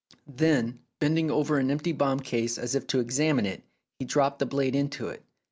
Then, bending over an empty bomb case as if to examine it, he dropped the blade into it.